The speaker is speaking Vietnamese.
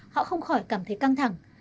họ không khỏi cảm thấy căng thẳng